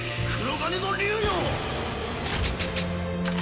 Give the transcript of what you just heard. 黒鉄の竜よ！